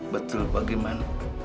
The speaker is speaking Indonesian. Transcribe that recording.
betul pak giman